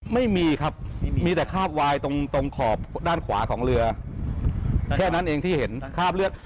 ไม่มีครับมีแต่คาบวายตรงตรงขอบด้านขวาของเรือแค่นั้นเองที่เห็นคราบเลือด